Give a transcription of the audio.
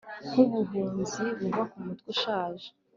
Nkubuhunzi buva kumutwe ushaje